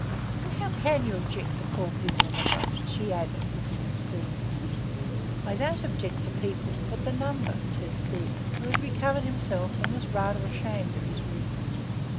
And how can you object to four people in a boat?" she added, looking at Stephen. "I don't object to the people, but the number," said Stephen, who had recovered himself, and was rather ashamed of his rudeness.